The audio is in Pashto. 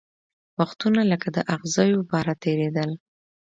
وختونه لکه د اغزیو باره تېرېدل